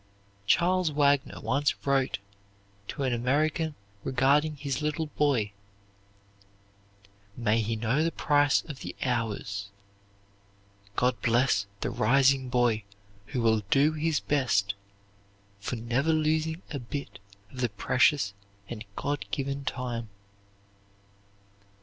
Charles Wagner once wrote to an American regarding his little boy, "May he know the price of the hours. God bless the rising boy who will do his best, for never losing a bit of the precious and God given time."